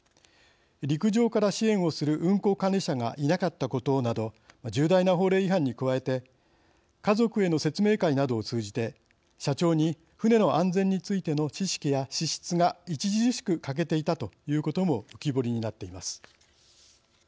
陸上から支援をする運航管理者がいなかったことなど重大な法令違反に加えて家族への説明会などを通じて社長に船の安全についての知識や資質が著しく欠けていたということも浮き彫りになっています。